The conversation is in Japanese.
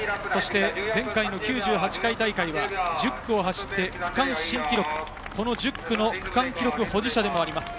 前回９８回大会は１０区を走って区間新記録、１０区の区間記録保持者でもあります。